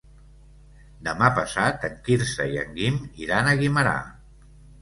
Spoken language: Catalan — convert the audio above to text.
Demà passat en Quirze i en Guim iran a Guimerà.